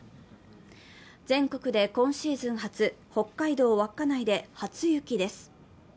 全国で今シーズン初、北海道稚内で初雪です。